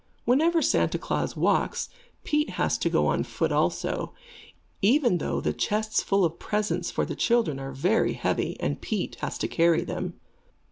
Whenever Santa Klaas walks, Pete has to go on foot also, even though the chests full of presents for the children are very heavy and Pete has to carry them.